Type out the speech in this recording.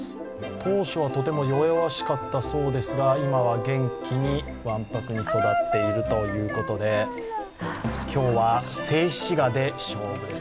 当初はとても弱々しかったそうですが、今は元気にわんぱくに育っているということで、今日は静止画で勝負です。